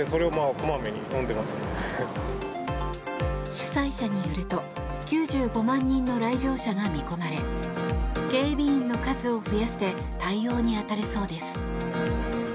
主催者によると９５万人の来場者が見込まれ警備員の数を増やして対応に当たるそうです。